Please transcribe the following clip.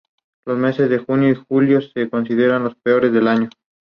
Se inició en las infantiles de Chacarita Juniors.